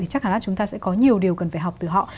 thì chắc là chúng ta sẽ có nhiều điều cần phải học từ họ